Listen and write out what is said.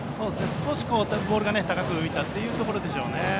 少しボールが高く浮いたというところでしょう。